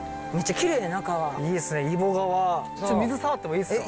ちょっと水触ってもいいですか。